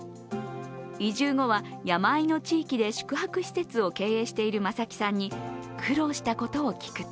移住後は、山あいの地域で宿泊施設を経営している正木さんに苦労したことを聞くと